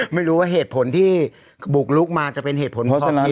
ไม่รู้ว่าเหตุผลที่บุกลุกมาจะเป็นเหตุผลข้อเทียบหรือเปล่า